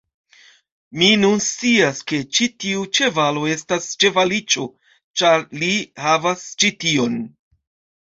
Mi nun scias, ke ĉi tiu ĉevalo estas ĉevaliĉo ĉar li havas ĉi tion!